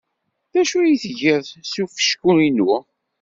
D acu ay tgiḍ s ufecku-inu?